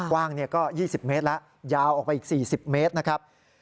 กว้างก็๒๐เมตรแล้วยาวออกไปอีก๔๐เมตรนะครับ